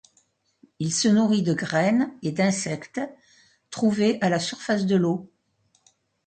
Il se nourrit de graines et d'insectes trouvés à la surface de l'eau.